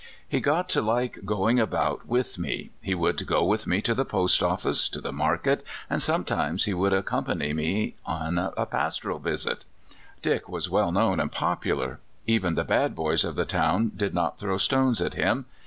He got to like going about with me. He would go wnth me to the post office, to the market, and some times he w^ould accompany me in a pastoral visit. Dick was well known and popular. Even the bad boys of the town did not throw stones at him.